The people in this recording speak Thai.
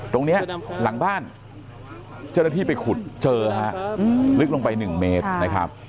ตรงนี้หลังบ้านเจ้าหน้าที่ไปขุดเจอฮะลึกลงไป๑เมตรนะครับ